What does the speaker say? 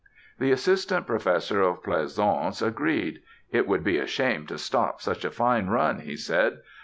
The Assistant Professor of Pleasaunce agreed. "It would be a shame to stop such a fine run," he said.